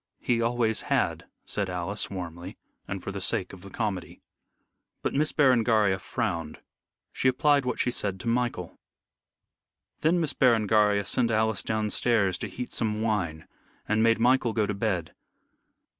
"He always had," said Alice, warmly, and for the sake of the comedy. But Miss Berengaria frowned. She applied what she said to Michael. Then Miss Berengaria sent Alice downstairs to heat some wine, and made Michael go to bed.